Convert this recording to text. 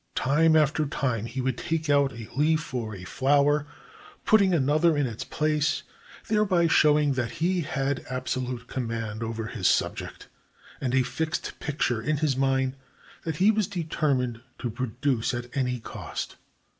Time after time he would take out a leaf or a flower, putting another in its place, thereby showing that he had absolute command over his subject, and a fixed picture in his mind that he was determined to produce at any cost.